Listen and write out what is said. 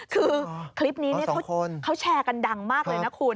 คือคลิปนี้เขาแชร์กันดังมากเลยนะคุณ